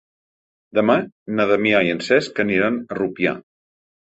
Demà na Damià i en Cesc aniran a Rupià.